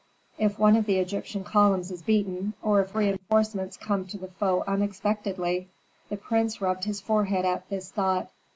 If one of the Egyptian columns is beaten, or if reinforcements come to the foe unexpectedly! The prince rubbed his forehead at this thought.